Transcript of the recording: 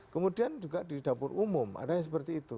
kemudian juga di dapur umum ada yang seperti itu